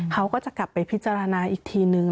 เขาก็จะกลับไปพิจารณาอีกทีนึง